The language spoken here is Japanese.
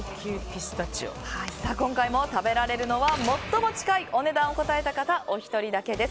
今回も食べられるのは最も近いお値段を答えた方お一人だけです。